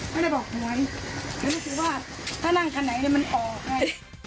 ไม่ได้บอกหวยมันก็คือว่าถ้านั่งคันไหนเนี้ยมันออกไง